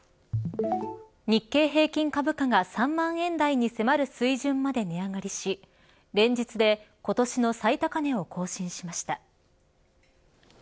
日経平均株価が３万円台に迫る水準まで値上がりし連日で今年の最高値を更新しました。